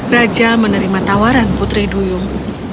raja menerima tawaran putri duyung